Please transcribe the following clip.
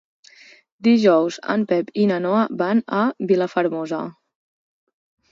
Dijous en Pep i na Noa van a Vilafermosa.